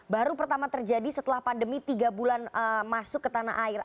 baru pertama terjadi setelah pandemi tiga bulan masuk ke tanah air